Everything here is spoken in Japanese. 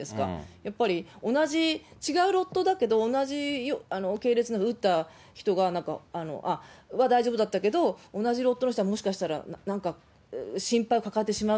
やっぱり同じ、違うロットだけど、同じ系列の打った人が、大丈夫だったけど、同じロットの人は、もしかしたらなんか心配を抱えてしまう。